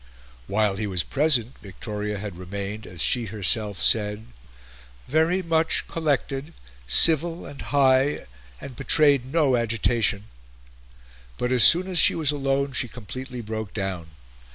While he was present, Victoria had remained, as she herself said, "very much collected, civil and high, and betrayed no agitation;" but as soon as she was alone she completely broke down.